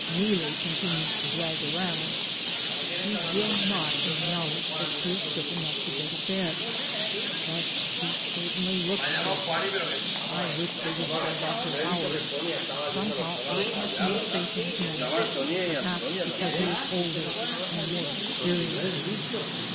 Neelie continues to drag around ; she will not acknowledge that she is sick enough to go to bed, but she certainly looks sick. I wish they would call Dr. Howard; somehow, I have more faith in him; perhaps because he is older and more experienced.